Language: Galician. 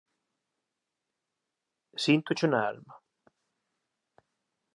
Síntocho na alma